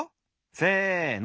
せの！